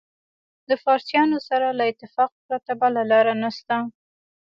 د فارسیانو سره له اتفاق پرته بله لاره نشته.